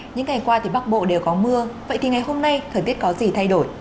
những ngày qua thì bắc bộ đều có mưa vậy thì ngày hôm nay thời tiết có gì thay đổi